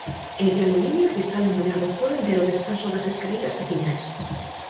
É de aluminio e cristal ondulado, poden ver o descanso das escaleiras veciñais.